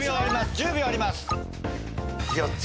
１０秒あります